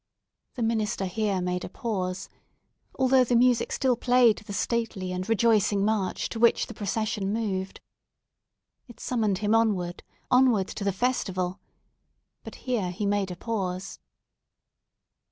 The minister here made a pause; although the music still played the stately and rejoicing march to which the procession moved. It summoned him onward—inward to the festival!—but here he made a pause.